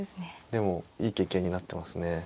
でもいい経験になってますね。